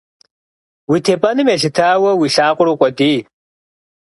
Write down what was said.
Уи тепӏэным елъытауэ, уи лъакъуэр укъуэдий.